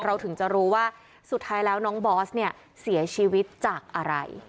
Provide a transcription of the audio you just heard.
ถึงจะรู้ว่าสุดท้ายแล้วน้องบอสเนี่ยเสียชีวิตจากอะไร